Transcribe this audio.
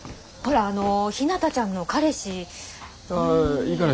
ほらあのひなたちゃんの彼氏い。